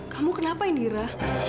kamu kenapa indira